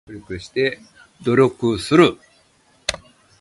努力する